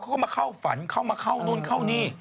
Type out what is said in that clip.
เขาก็มาเข้าฝันเข้ามาเข้านู่นเข้านี่